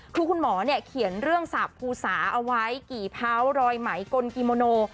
คือคุณหมอเนี่ยเขียนเรื่องสาบภูสาเอาไว้กี่เผารอยไหมกลกิโมโน